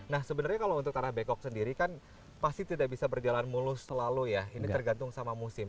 nah sebenarnya kalau untuk tanah bekok sendiri kan pasti tidak bisa berjalan mulus selalu ya ini tergantung sama musim